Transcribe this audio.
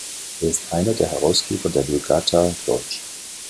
Er ist einer der Herausgeber der Vulgata deutsch.